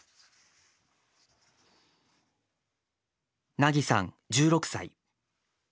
なぎさん１６歳。